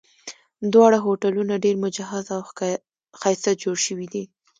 دواړه هوټلونه ډېر مجهز او ښایسته جوړ شوي دي.